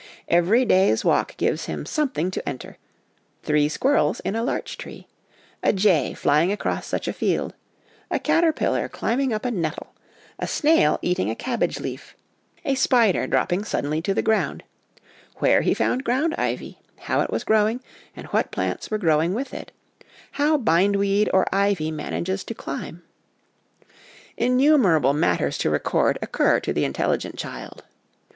Every day's walk gives him something to enter : three squirrels in a larch tree, a jay flying across such a field, a caterpillar climbing up a nettle, a snail eating a cabbage leaf, a spider dropping suddenly to the ground, where he found ground ivy, how it was growing and what plants were growing with it, how bindweed or ivy manages to climb. OUT OF DOOR LIFE FOR THE CHILDREN 55 Innumerable matters to record occur to the intelligent child.